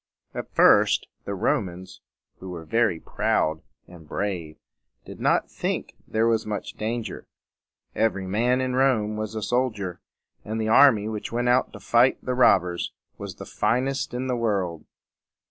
At first the Romans, who were very proud and brave, did not think there was much danger. Every man in Rome was a soldier, and the army which went out to fight the robbers was the finest in the world.